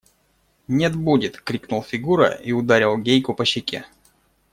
– Нет, будет! – крикнул Фигура и ударил Гейку по щеке.